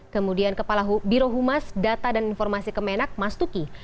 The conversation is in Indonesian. kemudian kepala birohumas data dan informasi kemenak mastuki